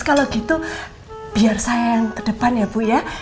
kalau gitu biar saya yang ke depan ya bu ya